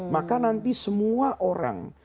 maka nanti semua orang